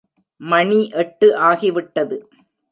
மணி எட்டு ஆகிவிட்டது.